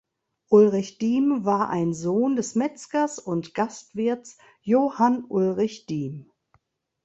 Ulrich Diem war ein Sohn des Metzgers und Gastwirts Johann Ulrich Diem.